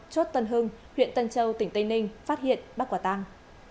chốt tân hưng huyện tân châu tỉnh tây ninh phát hiện bắt quả tăng